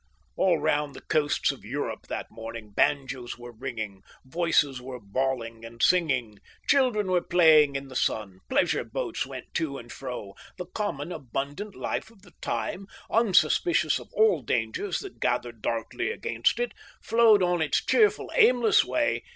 All round the coasts of Europe that morning banjos were ringing, voices were bawling and singing, children were playing in the sun, pleasure boats went to and fro; the common abundant life of the time, unsuspicious of all dangers that gathered darkly against it, flowed on its cheerful aimless way.